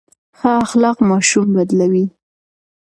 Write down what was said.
ښه اخلاق ماشوم بدلوي.